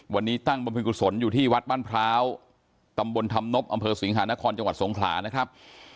วันนี้ตั้งบำเพ็ญกุศลอยู่ที่วัดบ้านพร้าวตำบลธรรมนบอำเภอสิงหานครจังหวัดสงขลานะครับ